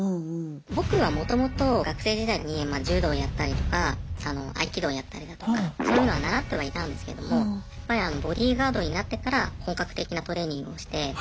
僕はもともと学生時代にまあ柔道やったりとか合気道やったりだとかそういうのは習ってはいたんですけどもやっぱりボディーガードになってから本格的なトレーニングをして。